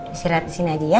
istirahat di sini aja ya